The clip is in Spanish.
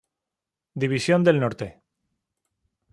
División del Norte.